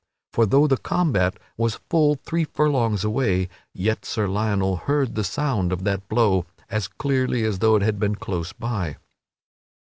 For, though that combat was full three furlongs away, yet Sir Lionel heard the sound of that blow as clearly as though it had been close by.